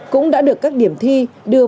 cũng đã được các điểm thi đưa